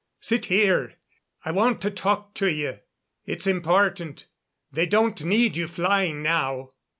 Sit here. I want to talk to you. It's important. They don't need you flying now."